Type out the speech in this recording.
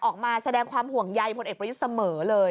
ออกมาแสดงความห่วงใยพลเอกประยุทธ์เสมอเลย